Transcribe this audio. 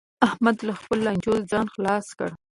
احمد له خپلو لانجو ځان خلاص کړ